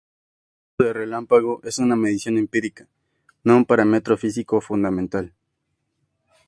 El punto de relámpago es una medición empírica, no un parámetro físico fundamental.